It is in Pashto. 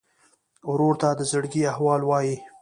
ورور ته د زړګي احوال وایې.